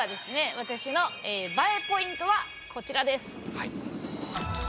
私のＢＡＥポイントはこちらです。